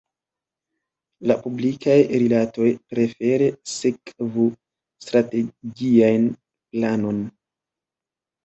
La publikaj rilatoj prefere sekvu strategian planon.